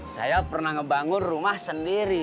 saya pernah ngebangun rumah sendiri